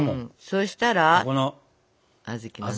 そしたらあずきのね。